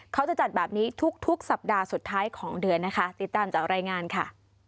เขาจะจัดแบบนี้ทุกสัปดาห์สุดท้ายของเดือนนะคะติดตามจากรายงานค่ะ